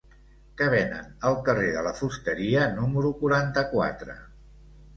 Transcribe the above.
Què venen al carrer de la Fusteria número quaranta-quatre?